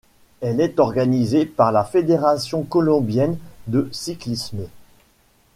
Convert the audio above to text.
Elle est organisée par la Fédération colombienne de cyclisme.